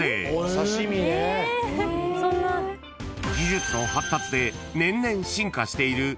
［技術の発達で年々進化している自動販売機］